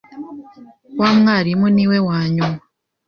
Wa mwarimu niwe wanyuma.